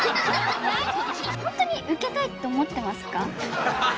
本当にウケたいって思ってますか？